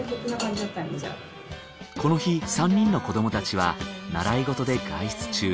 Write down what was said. この日３人の子どもたちは習い事で外出中。